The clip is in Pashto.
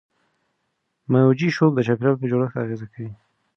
موجي شوک د چاپیریال په جوړښت اغېزه کوي.